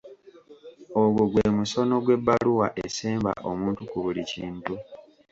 Ogwo gwe musono gw'ebbaluwa esemba omuntu ku buli kintu.